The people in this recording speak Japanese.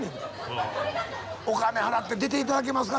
お金払って出て頂けますか？